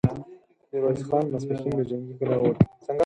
ميرويس خان ماسپښين له جنګي کلا ووت،